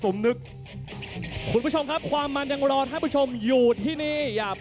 ร้องคู่เอกของเราแสนพลลูกบ้านใหญ่เทคซอลเพชรสร้างบ้านใหญ่